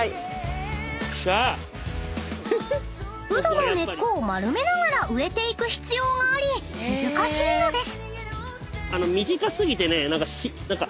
［うどの根っこを丸めながら植えていく必要があり難しいのです］